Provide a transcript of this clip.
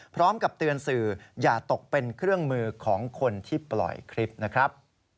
พร้อมกับเตือนสื่ออย่าตกเป็นเครื่องมือของคนที่ปล่อยคลิปนะครับ